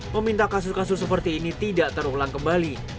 meminta kasus kasus seperti ini tidak terulang kembali